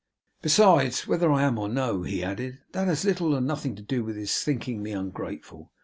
'Besides, whether I am or no,' he added, 'that has little or nothing to do with his thinking me ungrateful.